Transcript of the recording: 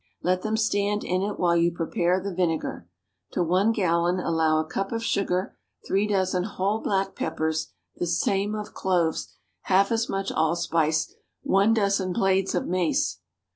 Let them stand in it while you prepare the vinegar. To one gallon allow a cup of sugar, three dozen whole black peppers, the same of cloves, half as much allspice, one dozen blades of mace.